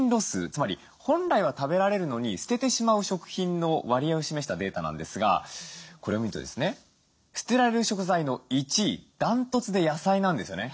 つまり本来は食べられるのに捨ててしまう食品の割合を示したデータなんですがこれを見るとですね捨てられる食材の１位断トツで野菜なんですよね。